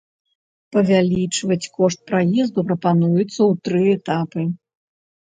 Павялічваць кошт праезду прапануецца ў тры этапы.